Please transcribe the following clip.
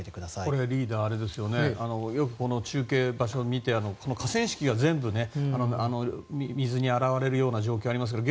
これ、リーダー中継場所を見て河川敷が全部水にあらわれるような状況もありますよね。